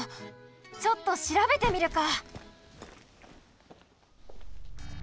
ちょっとしらべてみるか！